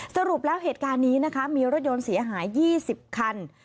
สรุปแล้วเหตุการณ์นี้นะคะมีรถยนต์เสียหาย๒๐คัน